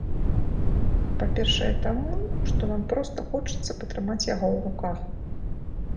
Па-першае, таму, што нам проста хочацца патрымаць яго ў руках.